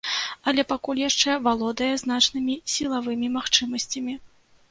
Але пакуль яшчэ валодае значнымі сілавымі магчымасцямі.